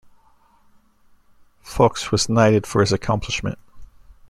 Fuchs was knighted for his accomplishment.